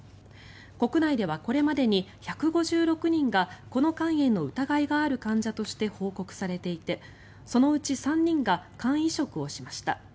国内では、これまでに１５６人がこの肝炎の疑いがある患者として報告されていてそのうち３人が肝移植をしました。